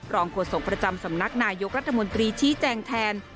โฆษกประจำสำนักนายกรัฐมนตรีชี้แจงแทน